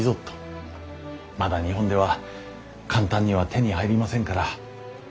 まだ日本では簡単には手に入りませんから。